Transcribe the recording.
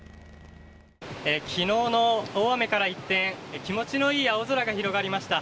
昨日の大雨から一転気持ちの良い青空が広がりました。